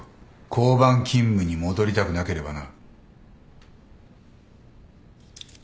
交番勤務に戻りたくなければな。